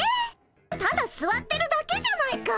ただすわってるだけじゃないか。